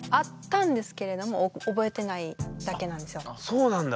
そうなんだ。